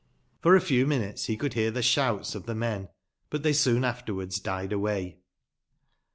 Por a few minutes be could bear tbe sbouts of tbe men, but tbey soon afterward s died away.